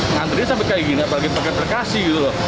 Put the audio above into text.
nganterin sampai kayak gini apalagi pakai terkasih gitu loh